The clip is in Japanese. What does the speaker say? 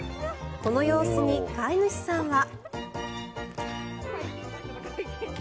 この様子に飼い主さんは。